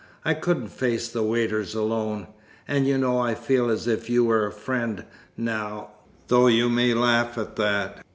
"I couldn't face the waiters alone. And you know, I feel as if you were a friend, now though you may laugh at that."